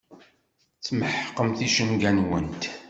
Tmeḥqemt icenga-nwent.